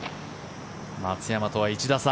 松山とは１打差。